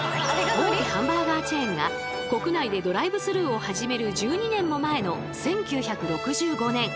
大手ハンバーガーチェーンが国内でドライブスルーを始める１２年も前の１９６５年。